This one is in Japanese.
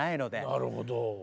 なるほど。